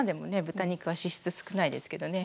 豚肉は脂質少ないですけどね。